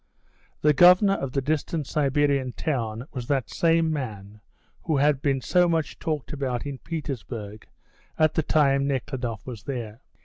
The governor of the distant Siberian town was that same man who had been so much talked about in Petersburg at the time Nekhludoff was there.